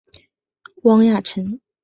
汪亚尘。